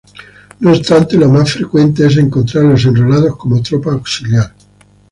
No obstante lo más frecuente es encontrarlos enrolados como tropa auxiliar.